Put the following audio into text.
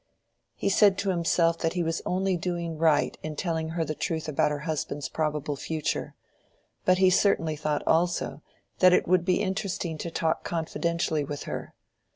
He said to himself that he was only doing right in telling her the truth about her husband's probable future, but he certainly thought also that it would be interesting to talk confidentially with her.